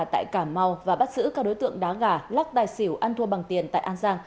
tại cà mau và bắt giữ các đối tượng đá gà lắc tài xỉu ăn thua bằng tiền tại an giang